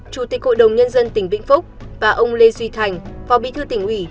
chủ tịch hội đồng nhân dân tỉnh vĩnh phúc và ông lê duy thành phó bí thư tỉnh ủy